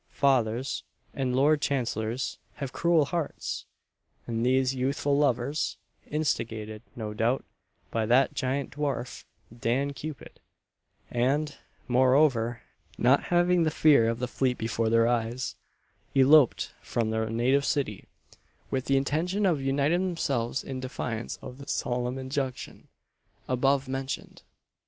Fathers, and Lord Chancellors, have cruel hearts! and these youthful lovers instigated, no doubt, by that "giant dwarf, Dan Cupid," and, moreover, not having the fear of the Fleet before their eyes eloped from their native city, with the intention of uniting themselves in defiance of the solemn injunction above mentioned.